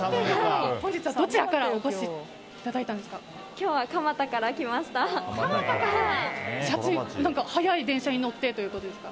どちらからお越しいただいたんですか？